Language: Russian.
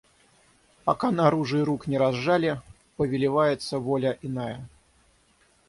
Пока на оружии рук не разжали, повелевается воля иная.